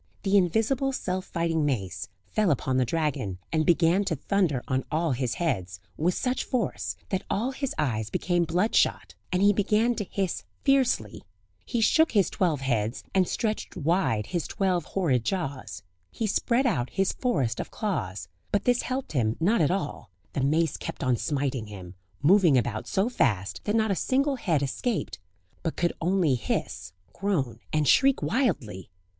The invisible, self fighting mace fell upon the dragon and began to thunder on all his heads with such force, that all his eyes became bloodshot, and he began to hiss fiercely; he shook his twelve heads, and stretched wide his twelve horrid jaws; he spread out his forest of claws; but this helped him not at all, the mace kept on smiting him, moving about so fast, that not a single head escaped, but could only hiss, groan, and shriek wildly!